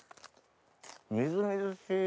みずみずしい。